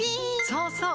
そうそう！